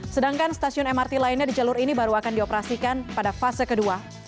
sedangkan stasiun mrt lainnya di jalur ini baru akan dioperasikan pada fase kedua